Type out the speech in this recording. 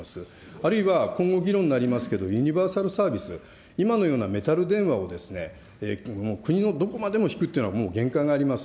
あるいは今後、議論になりますけれども、ユニバーサルサービス、今のようなメタル電話を国のどこまでも引くっていうのは、もう限界があります。